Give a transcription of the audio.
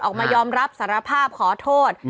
ออกมายอมรับสารภาพขอโทษ